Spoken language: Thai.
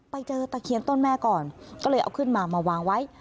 ตะเคียนต้นแม่ก่อนก็เลยเอาขึ้นมามาวางไว้